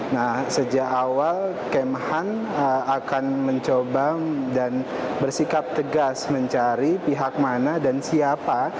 nah sejak awal kemhan akan mencoba dan bersikap tegas mencari pihak mana dan siapa